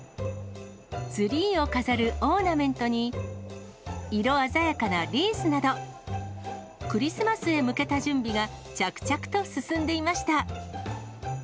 ツリーを飾るオーナメントに、色鮮やかなリースなど、クリスマスへ向けた準備が着々と進んでいました。